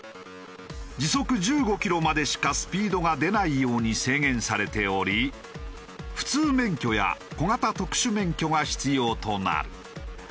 時速１５キロまでしかスピードが出ないように制限されており普通免許や小型特殊免許が必要となる。